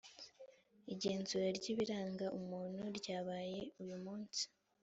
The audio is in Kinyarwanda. igenzura ry ibiranga umuntu ryabaye uyumunsi.